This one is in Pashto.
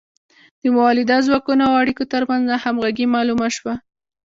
د مؤلده ځواکونو او اړیکو ترمنځ ناهمغږي معلومه شوه.